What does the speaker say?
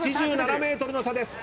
８７ｍの差です。